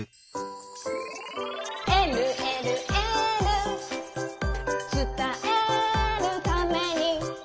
「えるえるエール」「つたえるために」